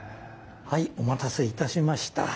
はいお待たせいたしました。